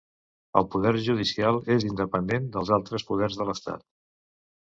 El Poder Judicial és independent dels altres Poders de l'Estat.